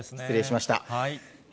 失礼しました。